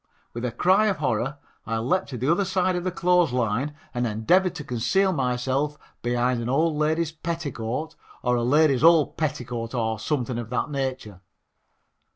With a cry of horror I leaped to the other side of the clothes line and endeavored to conceal myself behind an old lady's petticoat or a lady's old petticoat or something of that nature.